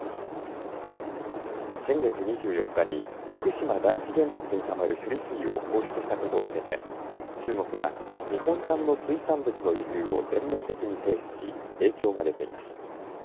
先月２４日に福島第一原発にたまる処理水を放出したことを受けて中国は日本産の水産物の輸入を全面的に停止し影響が出ています。